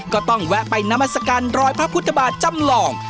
ก็ต้องแวะไปนามสการรอยพระพุทธบาทจำหล่อง